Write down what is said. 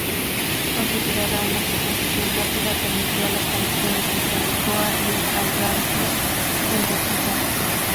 Considerada una composición rápida, permitía las conexiones entre Lisboa y el Algarve, en Portugal.